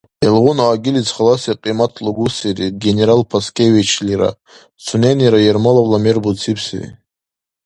Илгъуна агилис халаси кьимат лугусири генерал Паскевичлира, суненира Ермоловла мер буцибси.